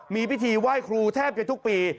มีพิธีไหว้ครูแทบจะทุกปี